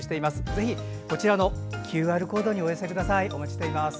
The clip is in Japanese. ぜひ、こちらのＱＲコードからお寄せください。